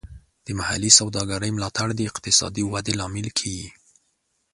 د محلي سوداګرۍ ملاتړ د اقتصادي ودې لامل کیږي.